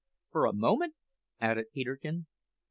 "For a moment?" added Peterkin.